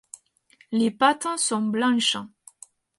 Les pattes sont blanches.